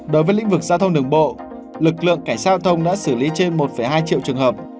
đối với lĩnh vực giao thông đường bộ lực lượng cảnh sát giao thông đã xử lý trên một hai triệu trường hợp